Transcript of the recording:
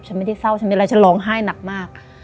ไม่ได้เศร้าฉันเป็นอะไรฉันร้องไห้หนักมาก